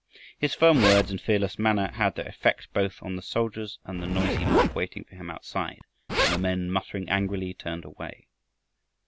His firm words and fearless manner had their effect both on the soldiers and the noisy mob waiting for him outside, and the men, muttering angrily, turned away.